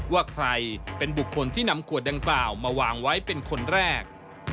ว่าใครเป็นบุคคลที่นำขวดดังกล่าวมาวางไว้เป็นคนแรก